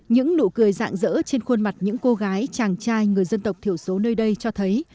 những nụ cười dạng dỡ trên khuôn mặt những cô gái chàng trai người dân tộc thiểu số nơi đây cho thấy